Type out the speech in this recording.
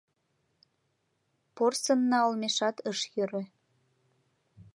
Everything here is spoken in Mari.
Порсынна олмешат ыш йӧрӧ.